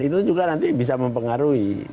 itu juga nanti bisa mempengaruhi